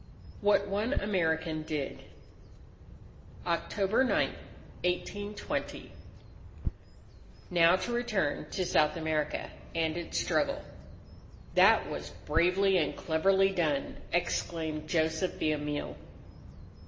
WHAT ONE AMERICAN DID October 9, 1820 Now, to return to South America and its struggle: "That was bravely and cleverly done!" exclaimed Joseph Villamil.